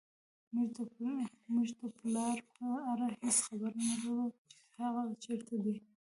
موږ د پلار په اړه هېڅ خبر نه لرو چې هغه چېرته دی